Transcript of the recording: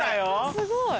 すごい！